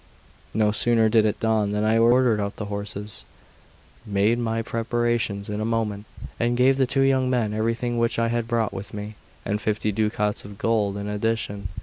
No sooner did it dawn than I ordered out the horses, made my preparations in a moment, and gave the two young men everything which I had brought with me, and fifty ducats of gold in addition.